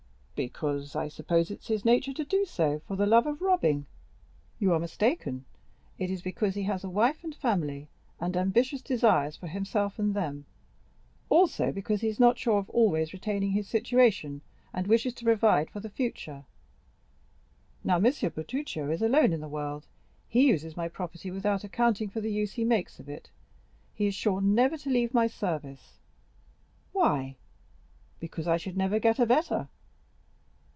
"Because, I suppose, it is his nature to do so, for the love of robbing." "You are mistaken; it is because he has a wife and family, and ambitious desires for himself and them. Also because he is not sure of always retaining his situation, and wishes to provide for the future. Now, M. Bertuccio is alone in the world; he uses my property without accounting for the use he makes of it; he is sure never to leave my service." "Why?" "Because I should never get a better."